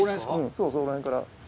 そうそこら辺から。